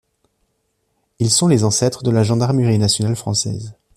Ils sont les ancêtres de la gendarmerie nationale française.